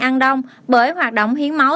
ăn đông bởi hoạt động hiến máu